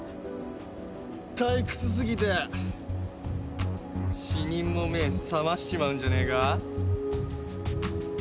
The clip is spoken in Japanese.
退屈すぎて死人も目ぇ覚ましちまうんじゃねえか？